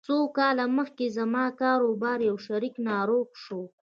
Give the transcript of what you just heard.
څو کاله مخکې زما د کاروبار يو شريک ناروغ شو.